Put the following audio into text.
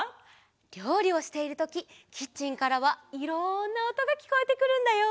りょうりをしているときキッチンからはいろんなおとがきこえてくるんだよ！